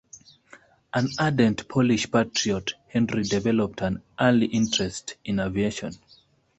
An ardent Polish patriot, Henry developed an early interest in aviation.